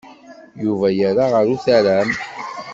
Yuba yerra ɣer utaram.